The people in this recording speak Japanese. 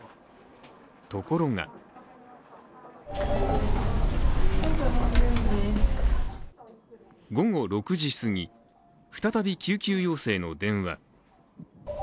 ところが午後６時すぎ、再び救急要請の電話。